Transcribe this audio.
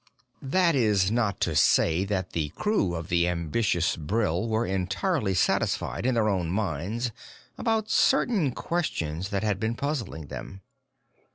That is not to say that the crew of the Ambitious Brill were entirely satisfied in their own minds about certain questions that had been puzzling them.